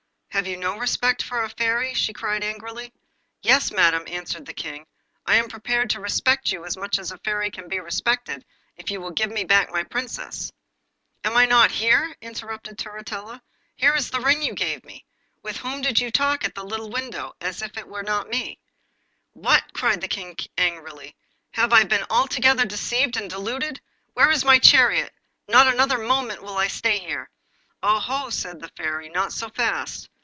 Have you no respect for a Fairy?' cried she angrily. 'Yes, madam,' answered the King, 'I am prepared to respect you as much as a Fairy can be respected, if you will give me back my Princess.' 'Am I not here?' interrupted Turritella. 'Here is the ring you gave me. With whom did you talk at the little window, if it was not with me?' 'What!' cried the King angrily, 'have I been altogether deceived and deluded? Where is my chariot? Not another moment will I stay here.' 'Oho,' said the Fairy, 'not so fast.